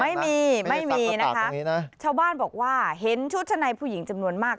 ไม่มีไม่มีนะคะชาวบ้านบอกว่าเห็นชุดชะในผู้หญิงจำนวนมาก